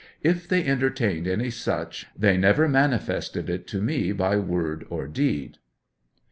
If they entertained any such, they never mani fested it to me by word or deed.